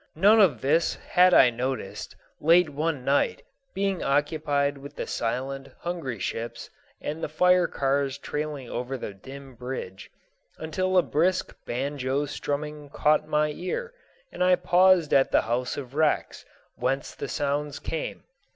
None of this had I noticed, late one night (being occupied with the silent, hungry ships, and the fire cars trailing over the dim bridge), until a brisk banjo strumming caught my ear, and I paused at the house of wrecks, whence the sounds came.